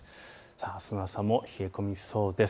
あすの朝も冷え込みそうです。